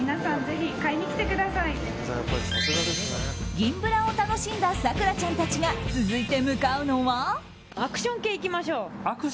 銀ブラを楽しんだ咲楽ちゃんたちが続いて向かうのは。